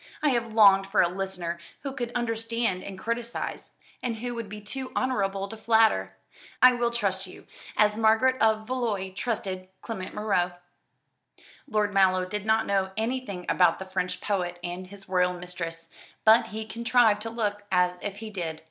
"I have longed for a listener who could understand and criticise, and who would be too honourable to flatter. I will trust you, as Marguerite of Valois trusted Clement Marot." Lord Mallow did not know anything about the French poet and his royal mistress, but he contrived to look as if he did.